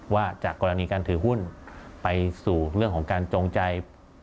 ว่าจากกรณีการถือหุ้นไปสู่เรื่องของการจงใจ